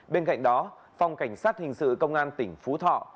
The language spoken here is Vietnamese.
bên cạnh đó phòng cảnh sát hình sự công an tp hà nội